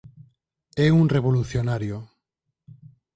É un revolucionario.